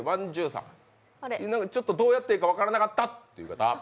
どうやっていいか分からなかったという方？